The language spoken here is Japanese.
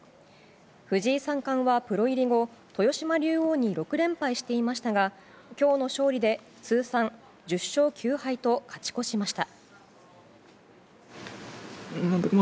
藤井三冠は、プロ入り後豊島竜王に６連敗していましたが今日の勝利で通算１０勝９敗と勝ち越しました。